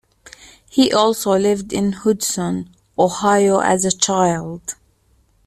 He also lived in Hudson, Ohio as a child.